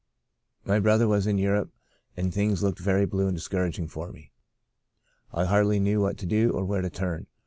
My brother was in Europe, and things looked very blue and discouraging for me. I hardly knew what to do or where to turn.